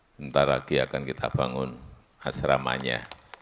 bentar lagi akan kita bangun asramanya